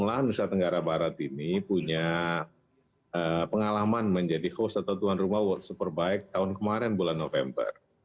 mulai dari saat ini kita sudah melakukan pengalaman untuk menjadi host atau tuan rumah world superbike tahun kemarin bulan november